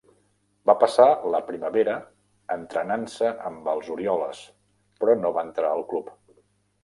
Va passar la primavera entrenant-se amb els Orioles, però no va entrar al club.